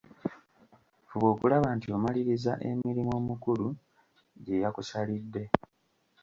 Fuba okulaba nti omaliririza emirimu omukulu gye yakusalidde.